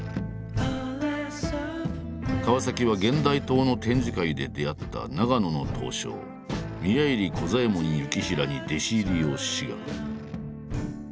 川は現代刀の展示会で出会った長野の刀匠宮入小左衛門行平に弟子入りを志願。